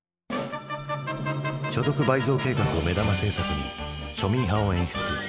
所得倍増計画を目玉政策に庶民派を演出。